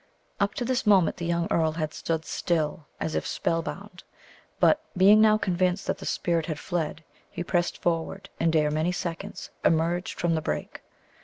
Up to this moment the young earl had stood still, as if spell bound; but being now convinced that the spirit had fled, he pressed forward, and, ere many seconds, emerged from the brake.